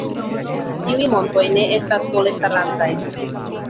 Tiuj montoj ne estas sole starantaj.